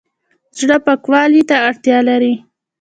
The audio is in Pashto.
زړه پاکوالي ته اړتیا لري